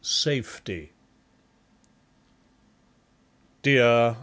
II. Safety Dear!